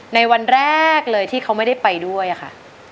ในวันแรกเลยที่เขาไม่ได้ไปด้วยค่ะ